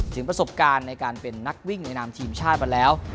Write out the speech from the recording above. ถึงประสบการณ์ในการเป็นนักวิ่งในนามทีมชาติมาแล้ว